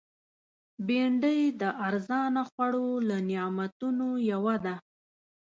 بېنډۍ د ارزانه خوړو له نعمتونو یوه ده